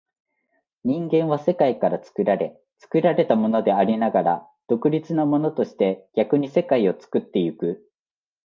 人間は世界から作られ、作られたものでありながら独立なものとして、逆に世界を作ってゆく。